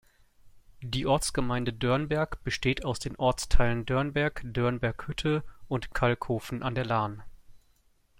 Die Ortsgemeinde Dörnberg besteht aus den Ortsteilen Dörnberg, Dörnberg-Hütte und Kalkofen an der Lahn.